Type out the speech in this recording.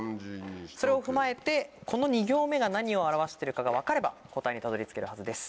それを踏まえてこの２行目が何を表してるかが分かれば答えにたどり着けるはずです。